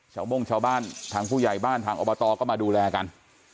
โม่งชาวบ้านทางผู้ใหญ่บ้านทางอบตก็มาดูแลกัน